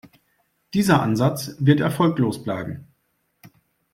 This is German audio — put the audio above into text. Dieser Ansatz wird erfolglos bleiben.